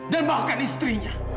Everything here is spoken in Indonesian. dan bahkan istrinya